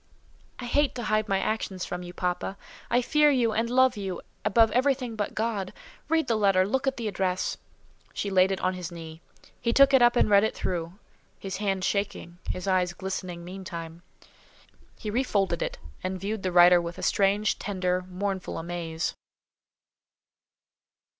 "I hate to hide my actions from you, papa. I fear you and love you above everything but God. Read the letter; look at the address." She laid it on his knee. He took it up and read it through; his hand shaking, his eyes glistening meantime. He re folded it, and viewed the writer with a strange, tender, mournful amaze.